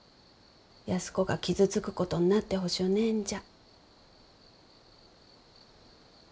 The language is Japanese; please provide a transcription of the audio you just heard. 安子が傷つくことになってほしゅうねえんじゃ。